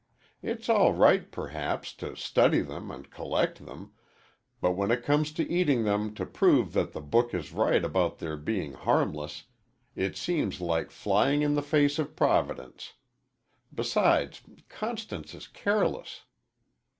It's all right, perhaps, to study them and collect them, but when it comes to eating them to prove that the book is right about their being harmless, it seems like flying in the face of Providence. Besides, Constance is careless."